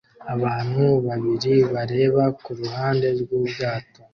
Abantu babiri bareba ku ruhande rw'ubwato